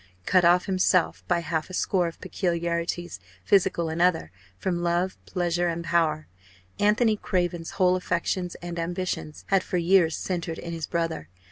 Cut off himself, by half a score of peculiarities, physical and other, from love, pleasure, and power, Anthony Craven's whole affections and ambitions had for years centred in his brother.